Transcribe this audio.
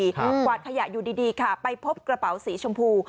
กวาดขยะอยู่ดีดีค่ะไปพบกระเป๋าสีชมพู